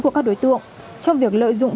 của các đối tượng trong việc lợi dụng